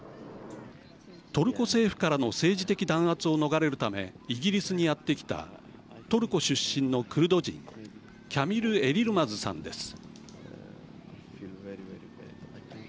トルコ政府からの政治的弾圧を逃れるためイギリスにやって来たトルコ出身のクルド人キャミル・エリルマズさんです。